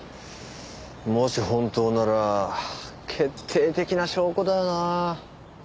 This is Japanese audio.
もし本当なら決定的な証拠だよな。